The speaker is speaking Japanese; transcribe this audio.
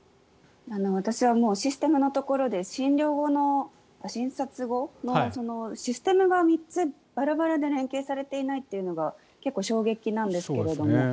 私はシステムのところで診察後のシステムが３つバラバラで連携されていないというのが結構、衝撃なんですけれども。